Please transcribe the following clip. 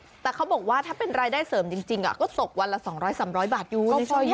เออแต่เขาบอกว่าถ้าเป็นรายได้เสริมจริงจริงอ่ะก็สกวันละสองร้อยสามร้อยบาทอยู่ในช่วงนี้